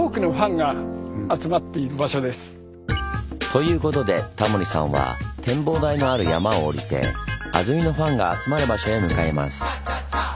ということでタモリさんは展望台のある山を下りて安曇野ファンが集まる場所へ向かいます。